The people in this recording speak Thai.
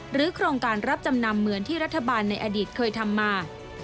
โครงการรับจำนำเหมือนที่รัฐบาลในอดีตเคยทำมา